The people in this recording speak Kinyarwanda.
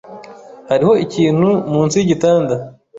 Hariho ikintu munsi yigitanda.